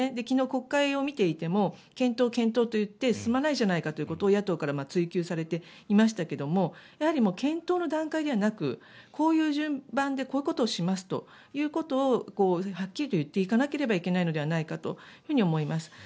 昨日、国会を見ていても検討、検討といって進まないじゃないかということを野党から追及されていましたけれど検討の段階ではなくこういう順番でこういうことをしますということをはっきりと言っていかなければいけないんじゃないかと思います。